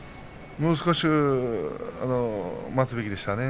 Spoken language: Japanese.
もう少し待つべきでしたね。